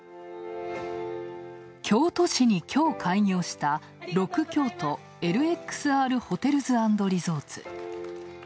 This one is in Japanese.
京都市に、きょう開業したＲＯＫＵＫＹＯＴＯＬＸＲホテルズ＆リゾーツ。